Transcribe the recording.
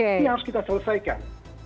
ini harus kita selesaikan